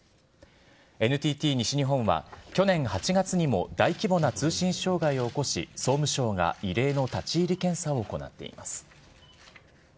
ＮＴＴ西日本は、去年８月にも大規模な通信障害を起こし、総務省が異例の立ち入り検査を行っています。